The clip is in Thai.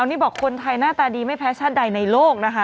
นี่บอกคนไทยหน้าตาดีไม่แพ้ชาติใดในโลกนะคะ